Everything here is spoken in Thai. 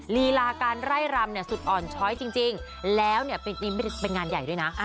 ลีลาการไล่รำเนี่ยสุดอ่อนช้อยจริงแล้วเนี่ยเป็นงานใหญ่ด้วยนะ